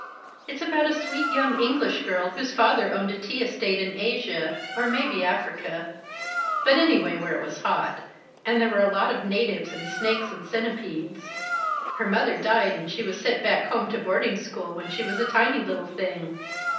"It's about a sweet young English girl whose father owned a tea estate in Asia or maybe Africa. But anyway, where it was hot, and there were a lot of natives and snakes and centipedes. Her mother died and she was sent back home to boarding school when she was a tiny little thing.